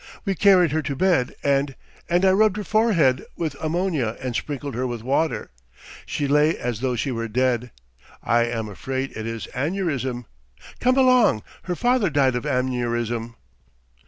We carried her to bed and ... and I rubbed her forehead with ammonia and sprinkled her with water ... she lay as though she were dead. ... I am afraid it is aneurism .... Come along ... her father died of aneurism."